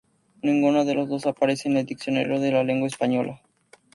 Ninguna de las dos aparece en el Diccionario de la lengua española.